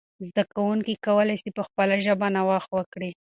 زده کوونکي کولای سي په خپله ژبه نوښت وکړي.